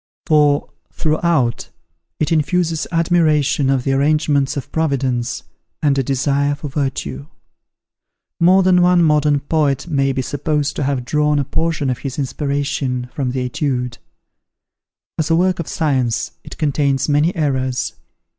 For, throughout, it infuses admiration of the arrangements of Providence, and a desire for virtue. More than one modern poet may be supposed to have drawn a portion of his inspiration, from the "Etudes." As a work of science it contains many errors.